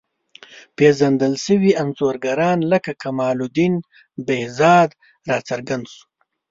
پېژندل شوي انځورګران لکه کمال الدین بهزاد راڅرګند شول.